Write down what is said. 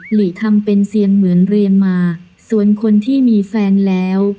หลีทำเป็นเซียนเหมือนเรียนมาส่วนคนที่มีแฟนแล้ว